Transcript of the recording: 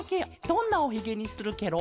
どんなおひげにするケロ？